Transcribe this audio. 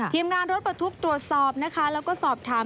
ทีมงานรถประทุกข์ตรวจสอบนะคะแล้วก็สอบถาม